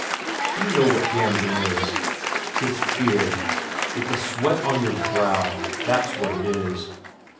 D'you know what gambling is? 'Tis fear, with the sweat on your brow, that's what it is.